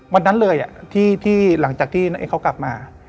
วันนั้นเลยที่หลังจากที่เขากลับมา